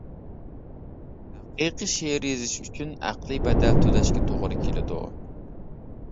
ھەقىقىي شېئىر يېزىش ئۈچۈن ئەقلىي بەدەل تۆلەشكە توغرا كېلىدۇ.